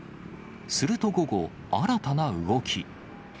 すると午後、新たな動き。